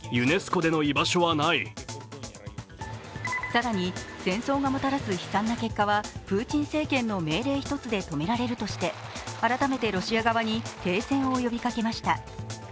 更に、戦争がもたらす悲惨な結果は、プーチン政権の命令一つで止められるとして改めてロシア側に停戦を呼びかけました。